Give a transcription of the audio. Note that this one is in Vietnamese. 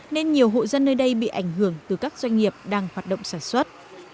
nên nhiều hộ dân nơi đây bị ảnh hưởng từ các doanh nghiệp đang hoạt động sản xuất